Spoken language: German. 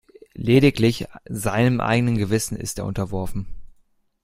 Lediglich seinem eigenen Gewissen ist er unterworfen.